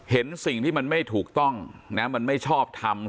เห็นสิ่งที่มันไม่ถูกต้องนะมันไม่ชอบทำ